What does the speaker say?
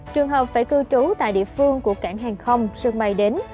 trường hợp phải cư trú tại địa phương của cảng hàng không sân bay đến